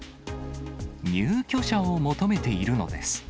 入居者を求めているのです。